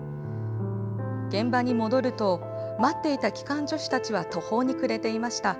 現場に戻ると待っていた機関助手たちは途方に暮れていました。